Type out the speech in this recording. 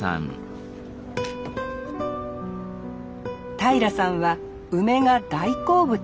平さんは梅が大好物。